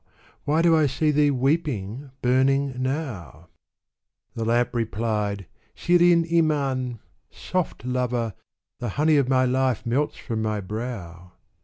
Why do I see thee weeping, burning, now ?" The Lamp replied, Shirin i man / Soft Lover ! The honey of my life melts from my brow